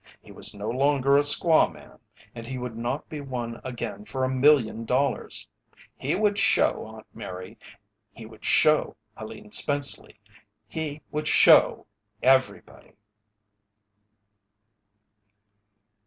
He was no longer a "squaw man," and he would not be one again for a million dollars! He would "show" Aunt Mary he would "show" Helene Spenceley he would "show" _everybody!